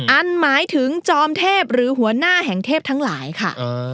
อันหมายถึงจอมเทพหรือหัวหน้าแห่งเทพทั้งหลายค่ะ